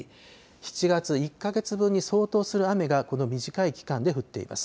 ７月１か月分に相当する雨が、この短い期間で降っています。